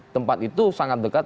tempat itu sangat dekat